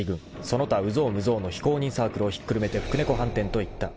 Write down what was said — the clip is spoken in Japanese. ［その他有象無象の非公認サークルをひっくるめて「福猫飯店」といった］